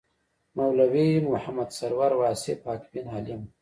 مولوي محمد سرور واصف حقبین عالم و.